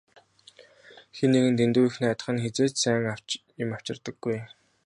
Хэн нэгэнд дэндүү их найдах нь хэзээ ч сайн юм авчирдаггүй.